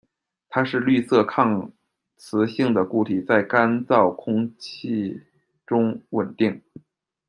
它是绿色抗磁性的固体，在干燥空气中稳定。